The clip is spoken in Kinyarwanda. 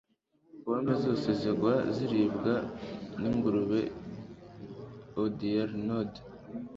pome zose zigwa ziribwa ningurube odiernod